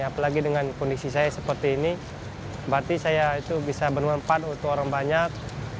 apalagi dengan kondisi saya seperti ini berarti saya itu bisa bermanfaat untuk orang banyak